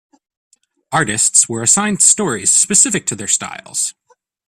Artists were assigned stories specific to their styles.